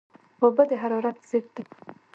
اوبه د حرارت ضد دي